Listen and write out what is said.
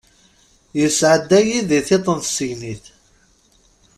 Yesɛedda-yi di tiṭ n tsegnit.